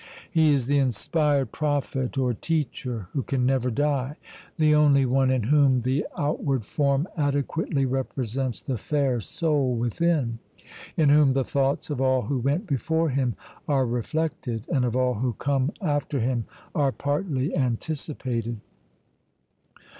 He is the inspired prophet or teacher who can never die, the only one in whom the outward form adequately represents the fair soul within; in whom the thoughts of all who went before him are reflected and of all who come after him are partly anticipated.